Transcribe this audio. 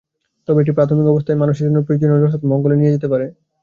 তবে এটি প্রাথমিক অবস্থায় মানুষের জন্য প্রয়োজনীয় রসদ মঙ্গলে নিয়ে যেতে পারে।